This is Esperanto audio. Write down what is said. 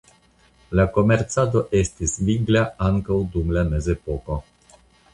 La komercado estis vigla ankaŭ dum la mezepoko.